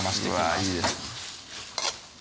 うわいいですね